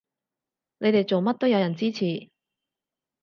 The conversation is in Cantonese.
你哋做乜都有人支持